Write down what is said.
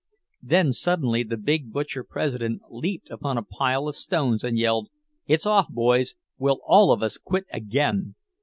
Then suddenly the big butcher president leaped upon a pile of stones and yelled: "It's off, boys. We'll all of us quit again!"